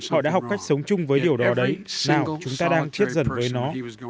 họ đã học cách sống chung với điều đó đấy nào chúng ta đang chiết dần với nó